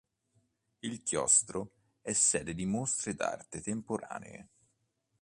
Il chiostro è sede di mostre d'arte temporanee.